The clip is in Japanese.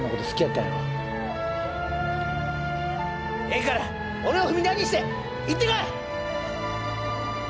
ええから俺を踏み台にして行ってこい！